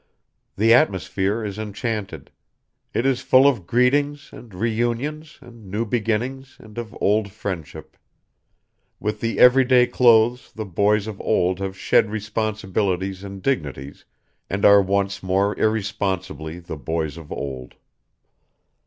The atmosphere is enchanted; it is full of greetings and reunions and new beginnings and of old friendship; with the every day clothes the boys of old have shed responsibilities and dignities and are once more irresponsibly the boys of old.